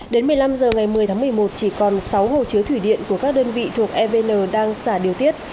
đến một mươi năm h ngày một mươi tháng một mươi một chỉ còn sáu hồ chứa thủy điện của các đơn vị thuộc evn đang xả điều tiết